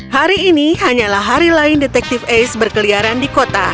hari ini hanyalah hari lain detektif ace berkeliaran di kota